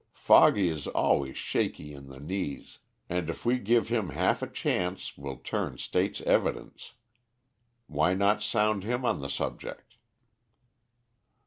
Foggy is always shaky in the knees, and if we give him half a chance will turn state's evidence. Why not sound him on the subject?"